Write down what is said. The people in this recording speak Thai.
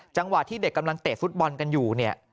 จังหวะที่เด็กกำลังเตะฟุตบอลกันอยู่เนี่ย